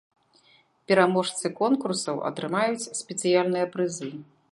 Пераможцы конкурсаў атрымаюць спецыяльныя прызы.